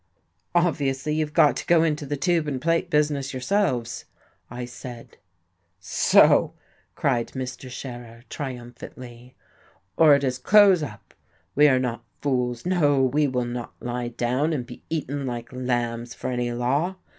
"Obviously you've got to go into the tube and plate business yourselves," I said. "So!" cried Mr. Scherer, triumphantly, "or it is close up. We are not fools, no, we will not lie down and be eaten like lambs for any law.